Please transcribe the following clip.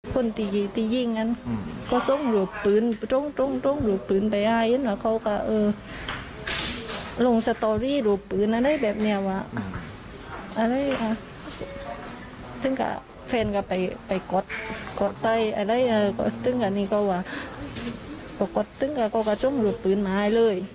ไปก็ได้อะไรก็ตึงกันนี่ก็ว่าก็ก็ตึงกันก็ก็ช่องหลุดปืนมาให้เลย